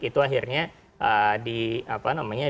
itu akhirnya di apa namanya